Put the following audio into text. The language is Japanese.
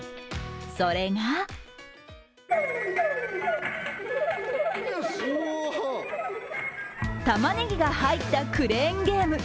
それがたまねぎが入ったクレーンゲーム。